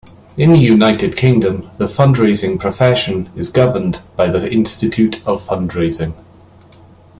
In the United Kingdom the fundraising profession is governed by The Institute of Fundraising.